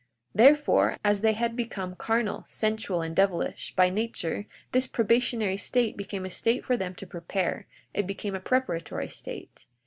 42:10 Therefore, as they had become carnal, sensual, and devilish, by nature, this probationary state became a state for them to prepare; it became a preparatory state.